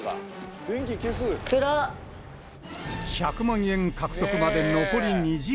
１００万円獲得まで残り２時間